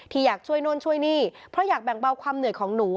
อยากช่วยนู่นช่วยนี่เพราะอยากแบ่งเบาความเหนื่อยของหนู